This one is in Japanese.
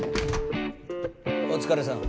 お疲れさん。